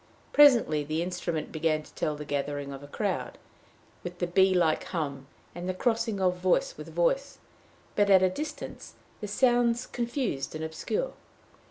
Presently the instrument began to tell the gathering of a crowd, with bee like hum, and the crossing of voice with voice but, at a distance, the sounds confused and obscure.